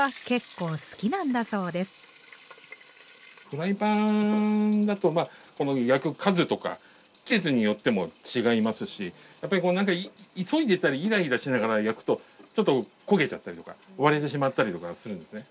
フライパンだとこの焼く数とか季節によっても違いますしやっぱりこう急いでたりイライラしながら焼くとちょっと焦げちゃったりとか割れてしまったりとかするんですね。